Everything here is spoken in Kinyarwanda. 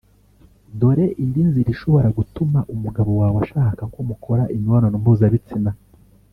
Dore indi nzira ishobora gutuma umugabo wawe ashaka ko mukora imibonano mpuzabitsina